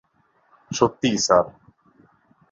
সত্যিই, স্যার?